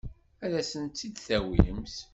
Ad asen-tt-id-tawimt?